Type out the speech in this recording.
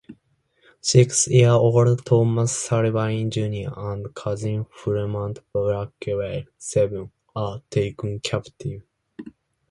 Six-year-old Thomas Sullivan Junior and cousin Fremont Blackwell, seven, were taken captive.